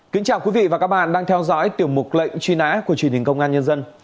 kính chào quý vị và các bạn đang theo dõi tiểu mục lệnh truy nã của truyền hình công an nhân dân